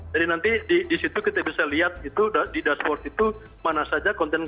jadi nanti di situ kita bisa lihat gitu di dashboard itu mana saja kontennya